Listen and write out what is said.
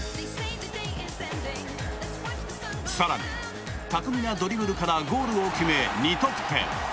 更に、巧みなドリブルからゴールを決め、２得点。